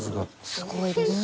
すごいです。